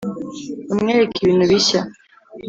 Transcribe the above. umwereke ibintu bishya